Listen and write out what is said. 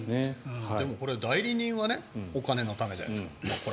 でもこれ代理人はお金のためじゃないですか。